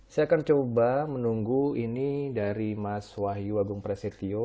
saya akan coba menunggu ini dari mas wahyu agung presetio